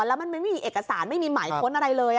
แล้วมันไม่มีเอกสารไม่มีหมายค้นอะไรเลย